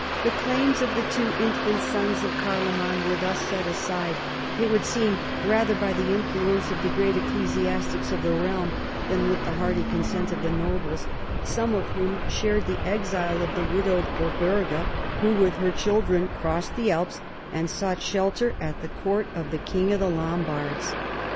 The claims of the two infant sons of Carloman were thus set aside, it would seem, rather by the influence of the great ecclesiastics of the realm than with the hearty consent of the nobles, some of whom shared the exile of the widowed Gerberga, who with her children crossed the Alps and sought shelter at the Court of the King of the Lombards.